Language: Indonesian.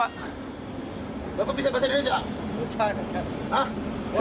bapak bisa bahasa indonesia